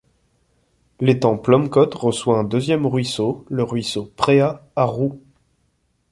L'étang Plomcot reçoit un deuxième ruisseau, le ruisseau Préa à Roux.